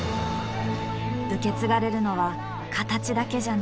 受け継がれるのは形だけじゃない。